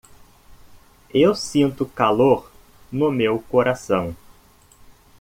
Eu sinto calor no meu coração.